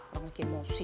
langsung kek emosi